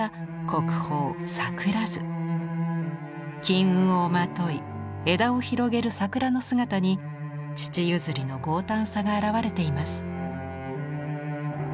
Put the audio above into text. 金雲をまとい枝を広げる桜の姿に父譲りの豪胆さが表れています。